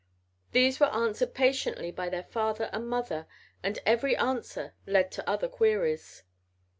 These were answered patiently by their father and mother and every answer led to other queries.